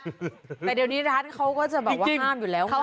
แต่เดี๋ยวนี้ร้านเขาก็จะแบบว่าห้ามอยู่แล้ว